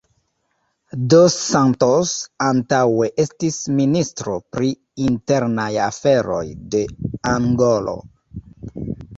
Dos Santos antaŭe estis ministro pri internaj aferoj de Angolo.